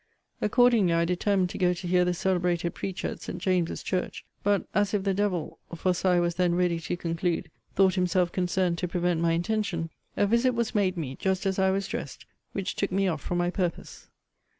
Accordingly I determined to go to hear the celebrated preacher at St. James's church. But, as if the devil (for so I was then ready to conclude) thought himself concerned to prevent my intention, a visit was made me, just as I was dressed, which took me off from my purpose.